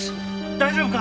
大丈夫か？